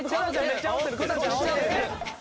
めっちゃあおってる。